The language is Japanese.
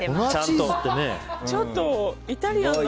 ちょっとイタリアンな。